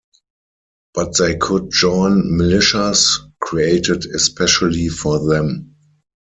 But they could join militias created especially for them.